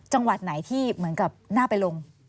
จังหวัดไหนที่เหมือนกับน่าไปลง